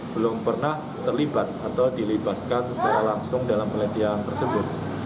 belum pernah terlibat atau dilibatkan secara langsung dalam penelitian tersebut